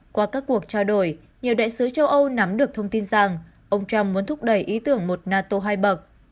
qua các cuộc trao đổi nhiều đại sứ châu âu nắm được thông tin rằng ông trump muốn thúc đẩy ý tưởng một nato hai bậc